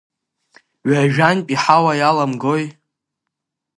Ҩажәантә иҳауа иаламгои.